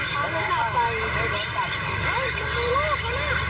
เฮ้ยมีลูกมีลูก